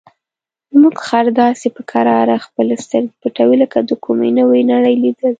زموږ خر داسې په کراره خپلې سترګې پټوي لکه د کومې نوې نړۍ لیدل.